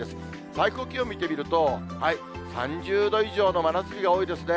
最高気温見てみると、３０度以上の真夏日が多いですね。